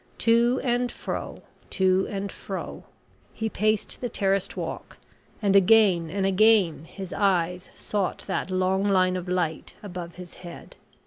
To and fro to and fro he paced the terraced walk, and again and again his eyes sought that long line of light above his head.